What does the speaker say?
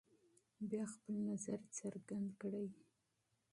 بیا خپل نظر څرګند کړئ.